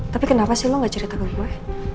tapi kenapa sih lo gak cerita ke gue